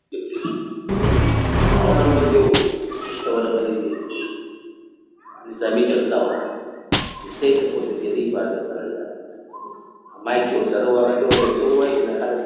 په لاس خط لیکل د خوبونو د تعبیرولو لاره ده.